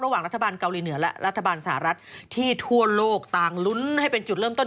รัฐบาลเกาหลีเหนือและรัฐบาลสหรัฐที่ทั่วโลกต่างลุ้นให้เป็นจุดเริ่มต้น